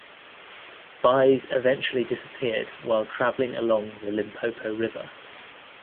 Buys eventually disappeared while traveling along the Limpopo River.